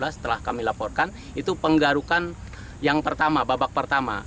setelah kami laporkan itu penggarukan yang pertama babak pertama